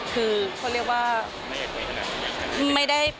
คือเขาเรียกว่า